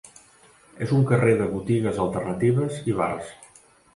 És un carrer de botigues alternatives i bars.